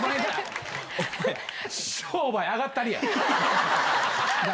商売あがったりや。